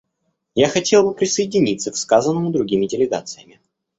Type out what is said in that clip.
Я хотел бы присоединиться к сказанному другими делегациями.